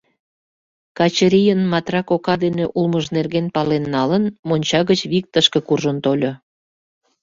Качырийын Матра кока дене улмыж нерген пален налын, монча гыч вик тышке куржын тольо.